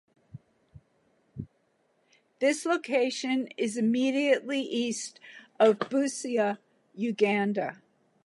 This location is immediately east of Busia, Uganda.